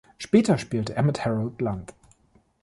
Später spielte er mit Harold Land.